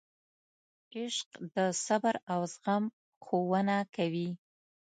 عشق د صبر او زغم ښوونه کوي.